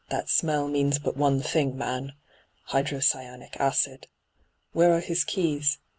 ' That smell means but one thing, man — hydrocyanic acid. Where are his keys